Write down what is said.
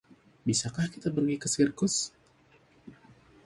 Bisakah kita pergi ke sirkus?